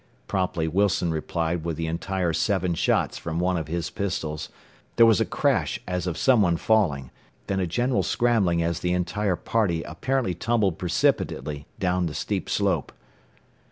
Promptly Wilson replied with the entire seven shots from one of his pistols, there was a crash as of someone falling, then a general scrambling as the entire party apparently tumbled precipitately down the steep slope.